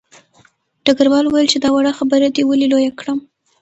ډګروال وویل چې دا وړه خبره دې ولې لویه کړه